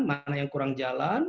mana yang kurang jalan